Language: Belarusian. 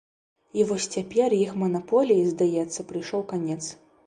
І вось цяпер іх манаполіі, здаецца, прыйшоў канец.